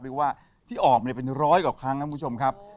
เรียกว่าที่ออกมาเป็นร้อยกว่าครั้งครับคุณผู้ชมครับ